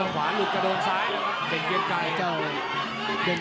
ขวาหลุดกระโดนซ้ายเกี่ยงไกล